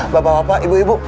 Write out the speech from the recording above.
bapak bapak ibu ibu